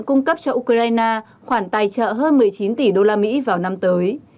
cung cấp cho ukraine khoản tài trợ hơn một mươi chín tỷ đô la mỹ vào năm tới